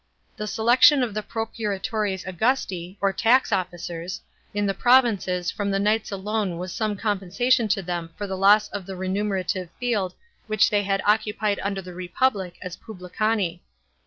The selection of the procurators Auyusti, or tax officers, in the provinces from the knights alone was some compensation to them for the loss of the remunerative field which they had occupied under the Republic as pullicani.